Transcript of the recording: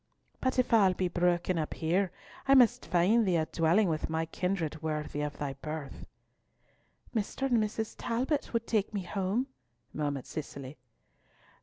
But if all be broken up here, I must find thee a dwelling with my kindred worthy of thy birth." "Mr. and Mrs. Talbot would take me home," murmured Cicely.